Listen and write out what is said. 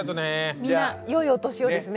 みんなよいお年をですね。